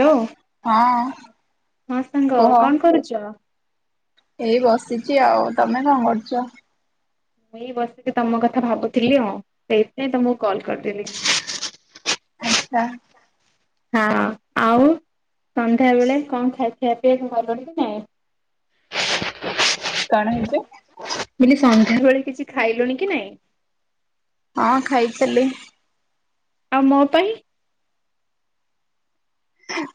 Hello ହଁ ସାଙ୍ଗ କୁହ କଣ କରୁଛ। ଏଇ ବସିଛି ଆଉ ତମେ କଣ କରୁଛ। ମୁଁ ହଇଁ ବସିକି ତମ କଥା ଭାବୁଥିଲି ହଁ ସେଇଥିାଇଁ ତମକୁ କଲ୍ କରିଦେିଲି। [unintelligible] ହଁ ଆଉ ସନ୍ଧ୍ୟା ବେଳେ କଣ ଖିଆ ପିଆ ପା ହବକି କି ନାଇଁ? କଣ ହେଇଛି? ମାନେ ସନ୍ଧ୍ୟାବେେଳେ କିଛି ଖାଇଲୁଣି କି ନାଇଁ? ହଁ ଖାଇଥିଲି। ଆ ମୋ ପାଇଁ?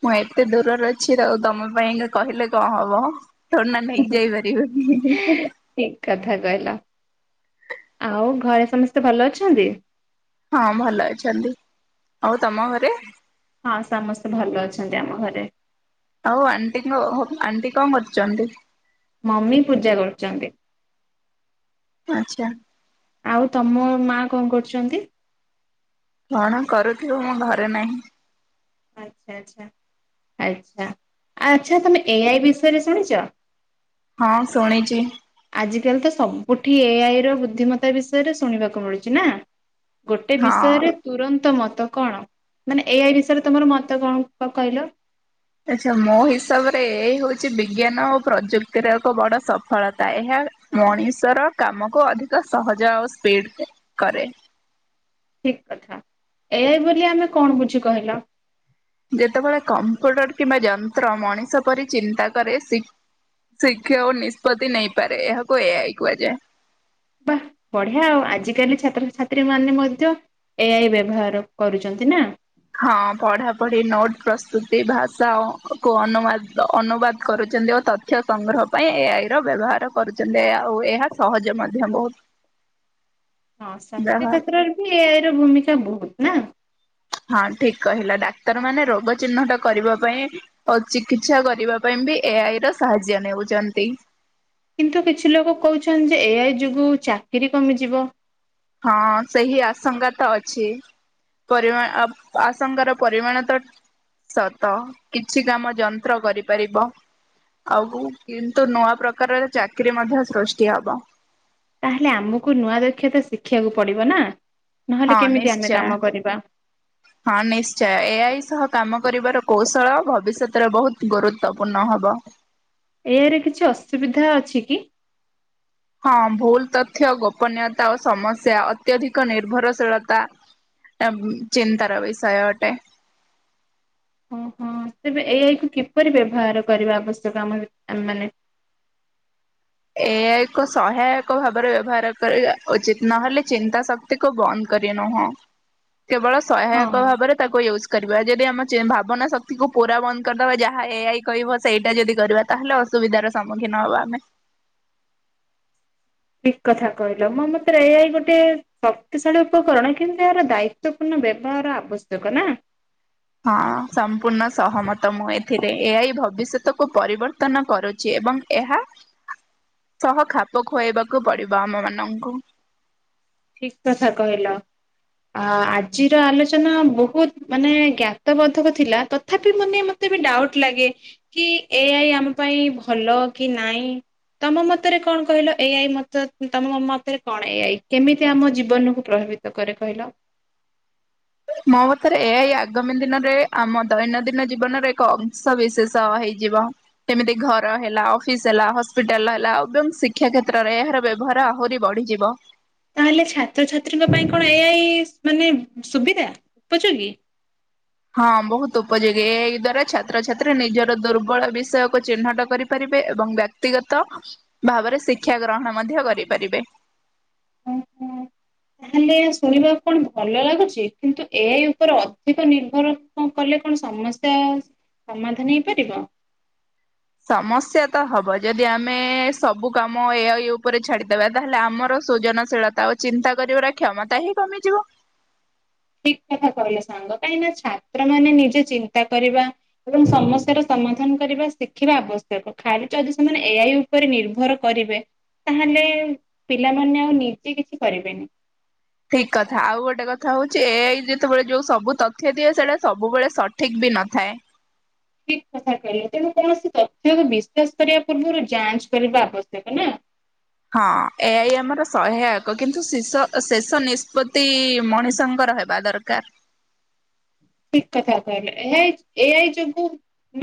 ମୁଁ ଏତେ ଦୂରରେ ଅଛି ଆଉ ତମ ପାଇଁ କହିଲେ କଣ ହବ? ଥୋଡ଼ିନା ନେଇକି ଯାଇିବାରିବ। ଠିକ କଥା କହିଲ। ଆଉ ଘରେ ସମସ୍ତେ ଭଲ ଅଛନ୍ତି? ହଁ ଭଲ ଅଛନ୍ତି ଆଉ ତମ ଘରେ? ହଁ ସମସ୍ତେ ଭଲ ଅଛନ୍ତି ଆମ ଘରେ। ଆଉ ଆଣ୍ଟି ଙ୍କ ଆଣ୍ଟି କଣ କରୁଚନ୍ତି? ମମି ପୂଜା କରୁଚନ୍ତି। ଆଛା। ଆଉ ତମ ମା କଣ କରୁଚନ୍ତି? କଣ କରୁଥିବ ମୁଁ ଘରେ ନାହିଁ। ଆଚ୍ଛା ଆଚ୍ଛା ଆଚ୍ଛା ଆଚ୍ଛା ତମେ ଏଆଇ ବିଷୟରେ ଶୁଣିଚ? ହଁ ଶୁଣିଚି। ଆଜି କାଲି ତ ସବୁଠି ଏଆଇ ର ବୁଦ୍ଧିମତା ବିଷୟରେ ଶୁଣିବାକୁ ମିଳୁଚି ନା। ଗୋଟେ ହଁ ବିଷୟରେ ତୁରନ୍ତ ମତ କଣ ମାନେ ଏଆଇ ବିଷୟରେ ତମର ମତ କଣ କହିଲ? ଆଚ୍ଛା ମୋ ହିସାବରେ ଏଆଇ ହଉଛି ବିଜ୍ଞାନ ଓ ପ୍ରଯୁକ୍ତିର ଏକ ବଡ ସଫଳ। ତା ଏହା ହଁ ମଣିଷର କାମ କୁ ଅଧିକ ସହଜ ଆଉ ସ୍ପିଡ କରେ। ଠିକ କଥା ଏଆଇ ବୋଲି ଆମେ କଣ ବୁଝୁ କହିଲ? ଯେତେବେଳେ କମ୍ପ୍ୟୁଟର କିମ୍ବା ଯନ୍ତ୍ର ମଣିଷ ପରି ଚିନ୍ତା କରେ ଶି-ଶିକ୍ଷା ଓ ନିଷ୍ପତ୍ତି ନେଇପାରେ ଏହାକୁ ଏ ଆଇ କୁହାଯାଏ। ବା ବଢିଆ ଆଉ ଆଜିକାଲି ଛାତ୍ରଛାତ୍ରୀ ମାନେ ମଧ୍ୟ ଏ ଆଇ ବ୍ୟବହାର କରୁଚନ୍ତି ନା। ଏଇ ଭାଷା ଅ କୁ ଅନୁବାଦ ଅନୁବାଦ କରୁଚନ୍ତି ଓ ତଥ୍ୟ ସଂଗ୍ରହ ପାଇଁ ଏ ଆଇ ର ବ୍ୟବହାର କରୁଚନ୍ତି ଆଉ ଏହା ସହଜ ମଧ୍ୟ ବହୁତ। ହଁ ସ୍ୱାସ୍ଥ୍ୟ ଯାହା କ୍ଷେତ୍ରରେ ବି ଏ ଆଇ ର ଭୂମିକା ବହୁତ। ନା। ହଁ ଠିକ କହିଲ ଡାକ୍ତର ମାନେ ରୋଗ ଚିହ୍ନଟ କରିବା ପାଇଁ ଆଉ ଚିକିତ୍ସା କରିବା ପାଇଁ ବି ଏ ଆଇ ର ସାହାଯ୍ୟ ନେଉଚନ୍ତି। କିନ୍ତୁ କିଛି ଲୋକ କହୁଛନ୍ତି ଯେ ଏ ଆଇ ଯୋଗୁ ଚାକିରି କମିଯିବ? ହଁ ସେହି ଆଶଙ୍କା ତ ଅଛି ପରିମା ଆଶଙ୍କାର ପରିମାଣ ତ ସତ କିଛି କାମ ଯନ୍ତ୍ର କରିପାରିବ ଆଉ କିନ୍ତୁ ନୂଆ ପ୍ରକାରର ଚାକିରି ମଧ୍ୟ ସୃଷ୍ଟି ହବ। ତାହେଲେ ଆମକୁ ନୂଆ ଦକ୍ଷତା ଶିଖିବାକୁ ପଡିବ ନା। ନହେଲେ ହଁ କେମିତି ଆମେ ନିଶ୍ଚୟ କାମ କରିବା? ହଁ ନିଶ୍ଚୟ ଏ ଆଇ ସହ କାମ କରିବାର କୌଶଳ ଭବିଷ୍ୟତରେ ବହୁତ ଗୁରୁତ୍ୱପୂର୍ଣ୍ଣ ହବ। ଏ ଆଇରେ କିଛି ଅସୁବିଧା ଅଛି କି? ହଁ ଭୁଲ ତଥ୍ୟ ଗୋପନୀୟତା ଓ ସମସ୍ୟା ଅତ୍ୟଧିକ ନିର୍ଭରଶୀଳତା ଚିନ୍ତାର ବିଷୟ ଅଟେ। ଏଇ ଆଇ କୁ କିପରି ବ୍ୟବହାର କରିବା ଆବଶ୍ୟକ ଆ-ଆମ ମାନେ? ଏହା ଏକ ସହାୟକ ଭାବରେ ବ୍ୟବହାର କରିବା ଉଚିତ ନହେଲେ ଚିନ୍ତା ଶକ୍ତି କୁ ବନ୍ଦ କରି ନୁହଁ। କେବଳ ହଁ। ସହାୟକ ଭାବରେ ତାକୁ ୟୁଜ୍ କରିବା ଯଦି ଆମ ଚି ଭାବନା ଶକ୍ତିକୁ ପୁରା ବନ୍ଦ କରିଦବା ଯାହା ଏ ଆଇ କହିବ ସେଇଟା ଯଦି କରିବା ତାହେଲେ ଅସୁବିଧାର ସମ୍ମୁଖୀନ ହବା ଆମେ। ଠିକ କଥା କହିଲ ମୋ ମତରେ ଏଇ ଗୋଟେ ଶକ୍ତିଶାଳୀ ଉପକରଣ କିନ୍ତୁ ଏହାର ଦାୟିତ୍ୱପୂର୍ଣ୍ଣ ବ୍ୟବହାର ଆବଶ୍ୟକ ନା। ହଁ ସମ୍ପୂର୍ଣ୍ଣ ସହମତ ମୁ ଏ ଏଥିରେ ଏ ଭବିଷ୍ୟତକୁ ପରିବର୍ତ୍ତନ କରୁଛି ଏବଂ ଏହା ସହ ଖାପ ଖୁଆଇବାକୁ ପଡିବ ଆମ ମାନଙ୍କୁ ଠିକ କଥା କହିଲ ଆ ଆଜିର ଆଲୋଚନା ବହୁତ ମାନେ ଜ୍ଞାତ ବୋଦ୍ଧକ ଥିଲା ତଥାପି ମାନେ ମତେ ବି ଡାଉଟ ଲାଗେ କି ଏ ଆଇ ଆମ ପାଇଁ ଭଲ କି ନହିଁ ତମ ମତରେ କଣ କହିଲ ଏ ଆଇ ମତ ତମ ମ ମତରେ କଣ ଏ ଆଇ? କେମିତି ଆମ ଜୀବନକୁ ପ୍ରଭାବିତ କରେ କହିଲ? ମୋ ମତରେ ଏଆଇ ଆଗାମୀ ଦିନରେ ଆମ ଦୈନନ୍ଦିନ ଜୀବନର ଏକ ଅଂଶ ବିିଶେଷ ହେଇଯିବ ଯେମିତି ଘର ହେଲା ଅଫିସ ହେଲା ହସ୍ପିଟାଲ ହେଲା ଏବଂ ଶିକ୍ଷା କ୍ଷେତ୍ରରେ ଏହାର ବ୍ୟବହାର ଆହୁରି ବଢିଯିବ। ତାହେଲେ ଛାତ୍ରଛାତ୍ରୀଙ୍କ ପାଇଁ କଣ ଏଆଇ ମାନେ ସୁବିଧା ଉପଯୋଗୀ? ହଁ ବହୁତ ଉପଯୋଗୀ ଏଆଇ ଦ୍ଵାରା ଛାତ୍ରଛାତ୍ରୀ ନିଜର ଦୁର୍ବଳ ବିଷୟକୁ ଚିହ୍ନଟ କରିପାରିବେ ଏବଂ ବ୍ୟକ୍ତିଗତ ଭାବରେ ଶିକ୍ଷା ଗ୍ରହଣ ମଧ୍ୟ କରିପାରିବେ। ଓ ହୋ ତାହେଲେ ଶୁଣିବାକୁ କଣ ଭଲ ଲାଗୁଛି କିନ୍ତୁ ଏଆଇ ଉପରେ ଅଧିକ ନିର୍ଭର କଲେ କଣ ସମସ୍ୟା ସମାଧାନ ହେଇପାରିବ? ସମସ୍ୟା ତ ହବ ଯଦି ଆମେ ସବୁ କାମ ଏଆଇ ଉପରେ ଛାଡିଦବା ତାହେଲେ ଆମର ସୃଜନଶୀଳତା ଓ ଚିନ୍ତା କରିବାର କ୍ଷମତା ହିଁ କମିଯିବ। ଠିକ କଥା କହିଲେ ସାଙ୍ଗ କାହିଁକି ନା ଛାତ୍ର ମାନେ ନିଜେ ଚିନ୍ତା କରିବା ଏବଂ ସମସ୍ୟାର ସମାଧାନ କରିବା ଶିଖିବା ଆବଶ୍ୟକ ଖାଲି ଯଦି ସେମାନେ ଏଆଇ ଉପରେ ନିର୍ଭର କରିବେ ତାହେଲେ ପିଲାମାନେ ଆଉ ନିଜେ କିଛି କରିବେନି। ଠିକ କଥା ଆଉ ଗୋଟେ କଥା ହଉଛି ଏଆଇ ଯେତେବେଳେ ଯୋଉ ସବୁ ତଥ୍ୟ ଦିଏ ସେଇଟା ସବୁବେଳେ ସଠିକ ବି ନଥାଏ। ଠିକ କଥା କହିଲେ ତେଣୁ କୌଣସି ତଥ୍ୟକୁ ବିଶ୍ୱାସ କରିବା ପୂର୍ବରୁ ଯାଞ୍ଚ କରିବା ଆବଶ୍ୟକ ନା ହଁ ଏଆଇ ଆମର ସହାୟକ କିନ୍ତୁ ଶିଷ ଶେଷ ନିଷ୍ପତ୍ତି ମଣିଷଙ୍କର ହେବା ଦରକାର। ଠିକ୍ କଥା କହିଲେ ଏଇ ଏ ଆଇ ଯୋଗୁ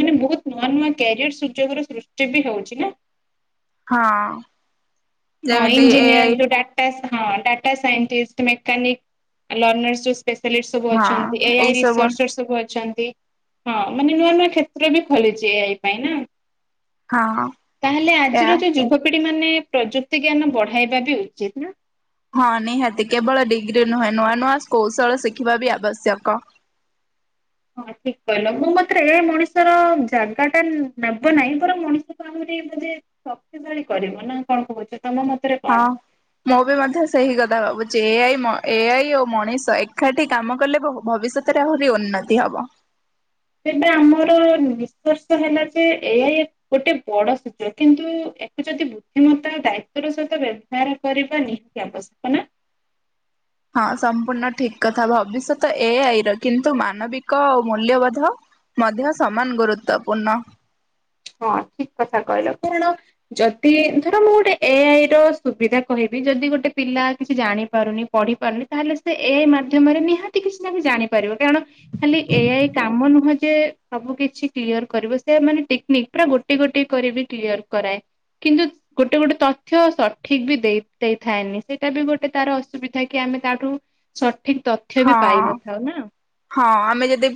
ମାନେ ବହୁତ ନୂଆ ନୂଆ କ୍ୟାରିୟର ସୁଯୋଗର ସୃଷ୍ଟି ବି ହଉଛି ନା ହଁ! ହଁ ଯେମିତି ଏ ଇଞ୍ଜିନିୟର ଆଇ ଯୋଉ ଡାଟା ହଁ data scientist mechanic learner specialist ସବୁ ହଁ ଅଛନ୍ତି, ଏଆଇ ଏଇ ସବୁ ରିସର୍ଚର ସବୁ ଅଛନ୍ତି। ହଁ ମାନେ ନୂଆ ନୂଆ କ୍ଷେତ୍ର ବି ଖୋଲିଛି ଏଇ ପାଇଁ ନା। ହଁ ତାହେଲେ ଏ ଆଜିର ଯୋଉ ଯୁବପିଢି େ ପ୍ରଯୁକ୍ତି [unintelligible] ତି ଜ୍ଞାନ ବଢାଇବା ବି ଉଚିତ ନା। ହଁ ନିହାତି କେବଳ ଡିଗ୍ରୀ ନୁହେଁ ନୂଆ ନୂଆ କୌଶଳ ଶିଖିବା ବି ଆବଶ୍ୟକ। ହଁ ଠିକ କହିଲ ମୁଁ ମତେ ଏ ମଣିଷର ଜାଗା ଟା ନେବ ନାହିଁ ବର ମଣିଷକୁ ଆମରି ବୋେ ଶକ୍ତିଶାଳୀ କରିବ ନା କଣ କହୁଛ ତମ ମତରେ କଣ? ହଁ ମୁଁ ବି ମଧ୍ୟ ସେଇ କଥା ଭାବୁଛି। ଏଆଇ ମ ଏଆଇ ଓ ମଣିଷ ଏକାଠି କାମ କଲେ ଭବିଷ୍ୟତରେ ଆହୁରି ଉନ୍ନତି ହବ। ତେବେ ଆମର ନିଷ୍କର୍ଷ ହେଲା ଯେ ଏହା ଗୋଟେ ବଡ ସୁଯୋଗ କିନ୍ତୁ ଏହାକୁ ଯଦି ବୁଦ୍ଧିମତା ଦାୟିତଵ ର ସହିତ ବ୍ୟବହାର କରିବା ନିହାତି ଆବଶ୍ୟକ ନା। ହଁ ସମ୍ପୂର୍ଣ୍ଣ ଠିକ କଥା ଭବିଷ୍ୟତ ଏଆଇ ର କିନ୍ତୁ ମାନବିକ ଆ ମୂଲ୍ୟବୋଧ ମଧ୍ୟ ସମାନ ଗୁରୁତ୍ୱପୂର୍ଣ୍ଣ। ହଁ ଠିକ କଥା କହିଲ କାରଣ ଯଦି ଧର ମୁଁ ଗୋଟେ ଏ ଆଇ ର ସୁବିଧା କହିବି ଯଦି ଗୋଟେ ପିଲା କିଛି ଜାଣିପାରୁନି ପଢି ପାରୁନି ତାହେଲେ ସେ ଏ ଆଇ ମାଧ୍ୟମରେ ନିହାତି କିଛି ନା କି ଜାଣିପାରିବ କାରଣ ଖାଲି ଏଆଇ କାମ ନୁହଁ ଯେ ସବୁ କିଛି କ୍ଲିୟର କରିବ ସେ ମାନେ ଟିକ ପୁରା ଗୋଟେ ଗୋଟେ କରିିବ କ୍ଲିୟର କରାଏ କିନ୍ତୁ ଗୋଟେ ଗୋଟେ ତଥ୍ୟ ସଠିକ ବି ଦେଇ ଦେଇଥାଏନି ସେଇଟା ବି ଗୋଟେ ତାର ଅସୁବିଧା କି ଆମେ ତାଠୁ ସା ଠିକ ତଥ୍ୟ ବି ହଁ। ପାଇନଥାଉ ନା। ହଁ ଆମେ ଯଦି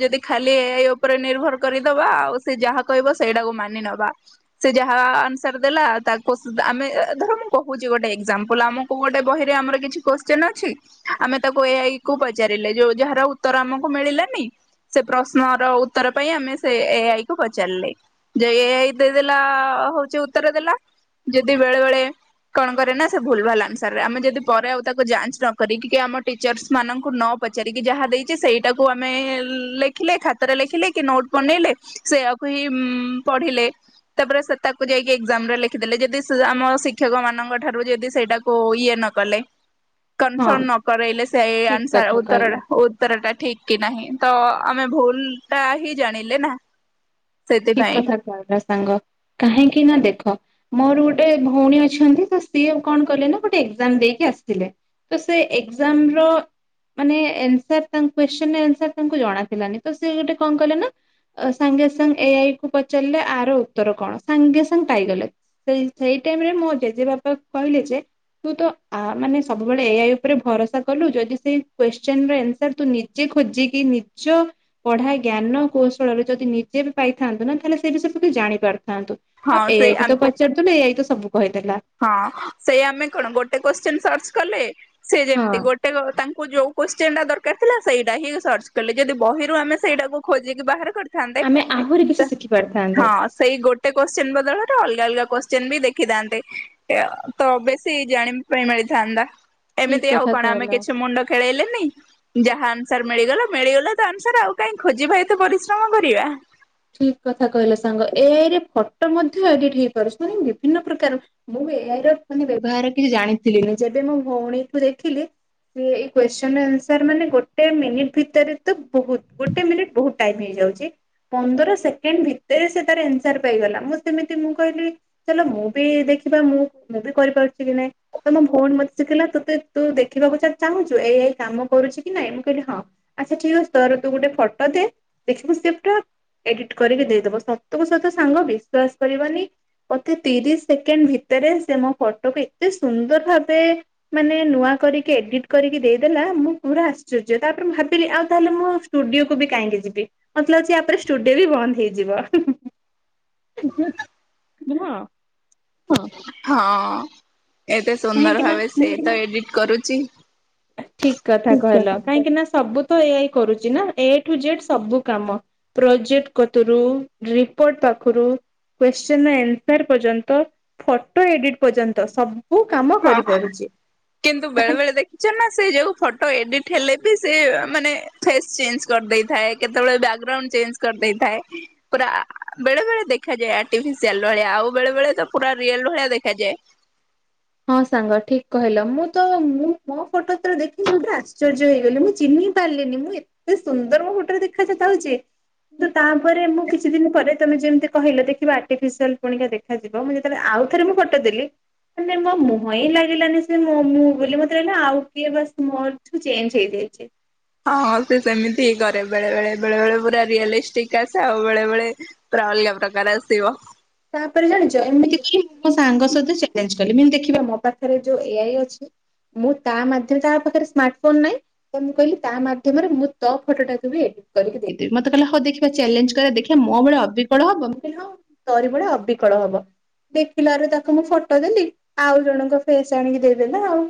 ଯଦି ଖାଲି ଏଆଇ ଉପରେ ନିର୍ଭର କରିଦବା ଆଉ ସେ ଯାହା କହିବ ସେଇଟାକୁ ମାନି ନବା ସେ ଯାହା ଆନ୍ସର ଦେଲା ତାକୁ ଆମେ ଧର ମୁଁ କହୁଛି ଗୋଟେ ଏକ୍ଜାମ୍ପଲ ଆମକୁ ଗୋଟେ ବହିରେ ଆମର କିଛି କୋଶ୍ଚନ ଅଛି ଆମେ ତାକୁ ଏଆଇ କୁ ପଚାରିଲେ ଯଉ ଯାହାର ଉତ୍ତର ଆମକୁ ମିଳିଲାନି ସେ ପ୍ରଶ୍ନର ଉତ୍ତର ପାଇଁ ଆମେ ସେ ଏ ଆଇ କୁ ପଚାରିଲେ ଯେ ଏ ଆଇ ଦେଇଦଲା ହଉଛି ଉତ୍ତର ଦେଲା ଯଦି ବେଳେ ବଳେ କଣ କରେ ନା ସେ ଭୁଲ ଭାଲ ଆନ୍ସର ଆମେ ଯଦି ପରେ ଆଉ ତାକୁ ଯାଞ୍ଚ ନକିକି ଆମ ଟିଚର୍ ମାନଙ୍କୁ ନ ପ ପଚାରିକି ଯାହା ଦେଇଛି ସେଇଟାକୁ ଆମେ ଲେଖିଲେ ଖାତାରେ ଲେଖିଲେ କି ନୋଟ ବନେଇଲେ ସେଆକୁ ହିଁ ପଢିଲେ ତାପରେ ସେ ତାକୁ ଯାଇକି ଏଜାମ ରେ ଲେଖିଦେଲେ ଯଦି ଆମ ଶିକ୍ଷକ ମାନଙ୍କ ଠାରୁ ଯଦି ସେଇଟାକୁ ଇଏ ନ କଲେ? ହଁ କନଫର୍ମ ନ କରରେ ଏଲେ ସେ ଠିକ ଆନ୍ସ କଥା ଉତ୍ତର କହିଲ। ଟା ଉତ୍ତର ଟା ଠିକ କି ନାହିଁ ତ ଆମେ ଭୁଲ ଟା ହିଁ ଜାଣିଲେ ନା। ଠିକ ସେଥିପାଇଁ କଥା କହିଲ ସାଙ୍ଗ କାହିଁକି ନା ଦେଖ ମୋର ଗୋଟେ ଭଉଣୀ ଅଛନ୍ତି ତ ସିଏ କଣ କଲେ ନା ଗୋଟେ ଏକ୍ଜାମ ଦେଇକି ଆସିଥିଲେ ତ ସେ ଏକ୍ଜାମ ର ମାନେ ଆନ୍ସର ତା କଶ୍ଚନ ଆନ୍ସର ତାଙ୍କୁ ଜଣାଥିଲାନି ତ ସି ଗୋଟେ କଣ କଲେ ନା ସାଙ୍ଗେ ସାଙ୍ଗେ ଏଆଇ କୁ ପଚାରିଲେ ଆର ଉତ୍ତର କଣ ସାଙ୍ଗେ ସାଙ୍ଗେ ପାଇଗଲେ ସେ ସେଇ ଟାଇମ ରେ ମୋ ଜେଜେବାପା କହିଲେ ଯେ ତୁ ତ ମାନେ ସବୁବେଳେ ଏଆଇ ଉପରେ ଭରସା କଲୁ ଯଦି ସେଇ କୋଶ୍ଚନର ଆନ୍ସର ତୁ ନିଜେ ଖୋଜିକି ନିଜ ପଢ଼ା ଜ୍ଞାନ କୌଶଳରେ ଯଦି ନିଜେ ପାଇଥାନ୍ତୁ ନା ତାହେଲେ ସେ ବିଷୟରେ ତ କି ଜାଣିପାରିବୁ ଥାନ୍ତୁ ଆଉ ହଁ ଏଆଇକ ସେ ତ ପଚାରୁଥିଲୁ ଏଆଇ ତ ସବୁ କହିଦେଲା ହଁ ସେଇ ଆମେ କଣ ଗୋଟେ କୋଶ୍ଚନ ସରଚ କଲେ ସେ ହଁ ଯେମିତି ଗୋଟେ ତାଙ୍କୁ ଯୋଉ କୋଶ୍ଚନ ଟା ଦରକାର ଥିଲା ସେଇଟା ହିଁ ସର୍ଚ୍ଚ କଲେ ଯଦି ବହିରୁ ଆମେ ସେଇଟାକୁ ଖୋଜିକି ବାହାର କରିଥି ଆମେ ଆହୁରି ନ୍ତେ, କିଛି ଶିଖି ପାରିଥାନ୍ତେ। ହଁ ସେଇ ଗୋଟେ କୋଶ୍ଚନ ବଦଳରେ ଅଲଗା ଅଲଗା କୋ ଚୀନ୍ ବି ଦେଖିଥାନ୍ତେ। ତବେସି ଜାଣିବା ପାଇଁ ମିଳିଥାନ୍ତା। ଏମିତି ଠିକ ଆଉ କଥା କଣ ଆମେ କହିଲ। କିଛି ମୁଣ୍ଡ ଖେଳେଇଲେନି ଯାହା ସାର୍ ମିଳିଗଲ ମିଳିଗଲା ତା ଅନୁସାର୍ ଆଉ କାଇହିଁ ଖୋଜିବା ଏତୁ ପରିଶ୍ରମ କରିବା। ଫଟ ମଧ୍ୟ ଏଡିଟ ହେଇପାରୁଛି ମାନ ବିଭିନ୍ନ ପ୍ରକାର ମୁଁ ଏ ମାନେ ବ୍ୟବହାର କିଛି ଜାଣିଥିଲି ଯେବେ ମୋ ଭଉଣୀକୁୁ ଦେଖିଲି ସେ ଏଇ କୋଶ୍ଚନ ଆସର ମାନେ ଗୋଟେ ମିନିଟ ଭିତରେ ତ ବହୁତ ଗୋଟେ ମିନିଟ ବହୁତ ଟାଇମ ହେଇଯାଉଛି ପନ୍ଦର ସେକେଣ୍ଡ ଭିତରେ ସେ ତାର ଏନ୍ସର ପାଇଗଲା, ମୁଁ ସେମିତି ମୁଁ କହିଲି ଚାଲ ମୁଁ ବି ଦେଖିବା ମୁଁ ମୁଁ ବି କରିପାରୁଛି କି ନାଇଁ ତ ମୋ ଭଉଣୀ ମତେ ଶିଖିଲା ତତେ ତୁ ଦେଖିବାକୁ ଚାହୁଁଛୁ ଏଇ ଏଆଇ କାମ କରୁଛି କି ନାଇଁ, ମୁଁ କହିଲି ହଁ ଆଚ୍ଛା ଠିକ୍ ଅଛି ତୋର ତୁ ଗୋଟେ ଫଟୋ ଦେ, ଦେଖିବୁ ସେ ପୁରା ଏଡିଟ କରିକି ଦେଇଦବ ସତକୁ ସତ ସାଙ୍ଗ ବିଶ୍ବାସ କରିବନି ମୋତେ ତିରିଶ ସେକେଣ୍ଡ ଭିତରେ ସେ ମୋ ଫଟୋକୁ ଏତେ ସୁନ୍ଦର ଭାବେ ମାନେ ନୂଆ କରିକି ଏଡିଟ କରିକି ଦେଇଦେଲା ମୁଁ ପୁରା ଆଶ୍ଚର୍ଯ୍ୟ, ତାପରେ ମୁଁ ଭାବିଲି ଆଉ ତାହେଲେ ମୁ ଷ୍ଟୁଡିଓକୁ ବି କାହିଁକି ଯିବି ମତେ ଲାଗୁଛି ଚୁଡିଓ ବି ବନ୍ଦ ହେଇଯିବ। [inaudible] ନୁହ। ହ ହଁ। ଏତେ କାହିଁକି ସୁନ୍ଦର ଭାବେ ସିଏ ତ ଏଡ଼ିଟ କରୁଚି। ଠିକ୍ କଥା କହିଲ, କାହିଁକି ନା ସବୁ ତ ଏଆଇ କରୁଛି ନା, ଏ ଟୁ ଜେଡ୍ ସବୁ କାମ ପ୍ରୋଜେକ୍ଟ କୁତୁରୁ ରିପୋର୍ଟ ପାଖରୁ କ୍ୟୁଶ୍ଚିନ ର ଆନ୍ସର ପର୍ଯ୍ୟନ୍ତ, ଫଟୋ ଏଡିଟ୍ ପର୍ଯ୍ୟନ୍ତ, ସବୁ। କାମ ହଁ କରିପାରୁଛି। କିନ୍ତୁ ତାହା ବେଳେ ବେଳେ ଦେଖିଛ ନା ସେ ଯଉ ଫଟୋ ଏଡିଟ ହେଲେ ବି ସେ ମାନେ ଫେସ୍ ଚେଞ୍ଜ କରିଦେଇଥାଏ, କେତେବେଳେ ବ୍ୟାକଗ୍ରାଉଣ୍ଡ ଚେଞ୍ଜ କରିଦେଇଥାଏ, ପୁରା ବେଳେ ବଳେ ଦେଖାଯାଏ ଆଟିିଫିସିଆଲ୍ ଭଳିଆ, ଆଉ ବେଳେ ବଳେ ପୁରା ରିଅଲ୍ ଭଳିଆ ଦେଖାଯାଏ। ହଁ ସାଙ୍ଗ ଠିକ କହିଲ ମୁଁ ତ ମୁଁ ମୋ ଫଟୋ ଦେଖି ମୁଁରେ ଆଶ୍ଚର୍ଯ୍ୟ ହେଇଗଲି ମୁଁ ଚିହ୍ନି ପାରିଲିନି ମୁଁ ଏତେ ସୁନ୍ଦର ମୋ ଫଟୋରେ ଦେଖଥାଉଛି, କିନ୍ତୁ ତାପରେ ମୁଁ କିଛି ଦିନ ପରେ ତମେ ଯେମିତି କହିଲ ଦେଖବା ଆର୍ଟିଫିସିଆଲ ପରିକା ଦେଖାଯିବ ମୁଁ ଯେତେବେ ଆଉ ଥରେ ମୁଁ ଫଟୋ ଦେଲି ମାନେ ମୋ ମୁହଁ ହିଁ ଲାଗିଲାନି ସେ ମୋ ମୁଁ ବୋଲି ମତେ ରହିଲା ଆଉ କିଏ ମୋ ଚେଞ୍ଜ ହେଇଯାଇଛି। ହଁ ହଁ ସେ ସେମିତି ହିଁ କରେ ବେଳେ, ବେଳେ ବେଳେ ବେଳେ ପୁରା ରିଅଲିଷ୍ଟିକ ଆସେ ଆଉ ବେଳେ ବେଳେ ପୁରା ଅଲଗା ପ୍ରକାର ଆସିବ। ତାପରେ ଜାଣିଛ ଏମିତି କି ମୁଁ ମୋ ସାଙ୍ଗ ସହିତ ଚ୍ୟାଲେଞ୍ଜ କଲି। ଦେଖିବା ମୋ ପାଖରେ ଯୋଉ ଏ ଆଇ ଅଛି ମୁଁ ତା ମାଧ୍ୟ ତା ପାଖରେ ସ୍ମାର୍ଟ ଫୋନ ନାହିଁ ତ ମୁଁ କହିଲି ତା ମାଧ୍ୟମରେ ମୁଁ ତ ଫଟୋଟାକୁୁ ବି ଏଡିଟ କରିକି ଦେଇଦେବି, ମତେ କହିଲା ହଁ ଦେଖିବା ଚ୍ୟାଲେଞ୍ଜ କରିବା ଦେଖିବା ମୋ ଭଳେ ଅବିକଳ ହବ, ମୁଁ କହିଲି ହଁ। ତରି ପରିକା ଅବିକଳ ହବ, ଦେଖିଲ ରୁ ତାକୁ ମୁଁ ଫଟୋ ଦେଲି ଆଉ ଜଣଙ୍କ ଫେସ୍ ଆଣିକି ଦେଇଦେଲା ଆଉ।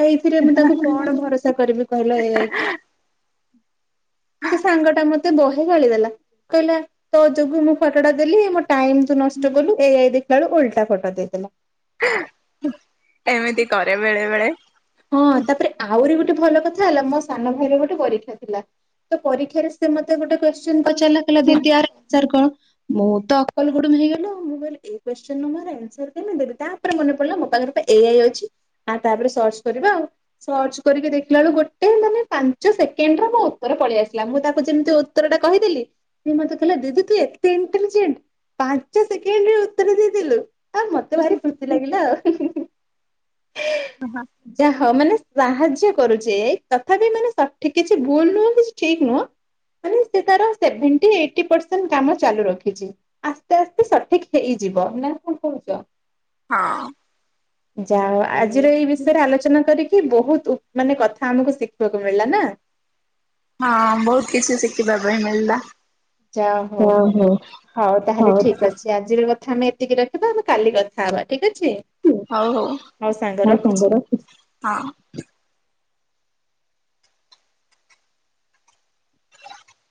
ଆଉ ଏଇଥିରେ ମୁଁ ତାଙ୍କୁ କଣ ଭରସା କରିବି କହିଲ ଏ ଆଇ କୁ। ସେ ସାଙ୍ଗ ଟା ମତେ ବହେ ଗାଳିଦେଲା। କହିଲା ତୋ ଯୋଗୁ ମୁଁ ଫଟଟା ଦେଲି ମୋ ଟାଇମ ତୁ ନଷ୍ଟ କଲୁ ଏଆଇ ଦେଖିଲା ବେଳଳୁ ଓଲଟା ଫଟୋ ଦେଇଦେଲା। ଏମିତି କରେ ବେଳେ ବେଳେ। ହଁ ତାପରେ ଆଉ ଗୋଟେ ଭଲ କଥା ହେଲା ମୋ ସାନ ଭାଇର ଗୋଟେ ପରୀକ୍ଷା ଥିଲା, ତ ପରୀକ୍ଷାରେ ସେ ମତେ ଗୋଟେ କ୍ୱେଶ୍ଚି ପଚାରିଲଲା ଦିିତି ଆ ହଜାର କଣ? ମୁଁ ତ ଅକଲ ଗୁଡୁମ ହେଇଗଲି ଆଉ, ମୁଁ କହିଲି ଏ କ୍ୱେଶ୍ଚିଁନ୍ ନମ୍ବର୍ ମୁଁ ଅନ୍ସ୍ଵର କେମତୀ, ଦେବି ତାପରେ ମନେ ପଡିଲା ମୋ ପାଖରେ ଏ ଆଇ ଅଛି ଆଉ ତାପରେ ସଚ୍ଚ। ଆ ସର୍ଚ୍ଚ କରିକି ଦେଖିଲା ବେଳକୁ ଗୋଟେ ମାନେ ପାଞ୍ଚ ସେକେଣ୍ଡ ମୋ ଉତ୍ତର ପଳେଇ ଆସିଲା, ମୁଁ ତାକୁ ଯେମିତି ଉତ୍ତର ଟା କହିଦେଲି ସେ ମତେ କହିଲା ଦିଦି ତୁ ଏତେ ଇଣ୍ଟେଲିଜେଣ୍ଟ ପାଞ୍ଚ ସେକେଣ୍ଡ ଉତ୍ତର ଦେଇଦେଲୁ ଆଉ ମତେ ଭାରି ଖୁସି ଲାଗିଲା ଆଉ। ହ ହଁ। ହଁ ମାନେ ସାହାଯ୍ୟ କରୁଛେ ତଥାପି ମାନେ ସଠିକ କିଛି ଭୁଲ ନୁହଁ କିଛି ଠିକ ନୁହଁ ମାନେ ସେ ତାର ସେଭେଣ୍ଟି ଏଇଟି ପରସେଣ୍ଟ କାମ ଚାଲୁ ରଖିଛି ଆସ୍ତେ ଆସ୍ତେ ସଠିକ୍ ହେଇଯିବ, ନା କଣ କହୁଛ। ହଁ। ଯା ଆଜିର ହଁ ଏଇ ବିଷୟରେ ଆଲୋଚନା କରିକି ବହୁତ ମାନେ କଥା ଆମକୁ ଶିଖିବାକୁ ମିଳିଲା ନା। ହଁ ବହୁତ କିଛି ଶିଖିବା ପାଇଁ ମିଳିଲା। ଯା ହଉ, ଓହୋ ହଉ ତାହେଲେ ଠିକ ଅଛି ଆଜିର। ଆମେ ଏତିକି ରଖିବା ଆମେ କାଲି କଥା ହେବା ଠିକ୍ ଅଛି ହଉ ହଉ ସାଙ୍ଗ ରଖୁଚି। ହଉ ସାଙ୍ଗ ରଖୁଚି